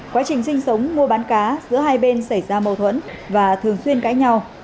quá trình sinh sống mua bán cá giữa hai bên xảy ra mâu thuẫn và thường xuyên cãi nhau